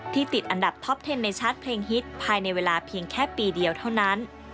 ติดอันดับท็อปเทนในชาร์จเพลงฮิตภายในเวลาเพียงแค่ปีเดียวเท่านั้น